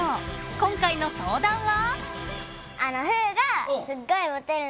［今回の相談は］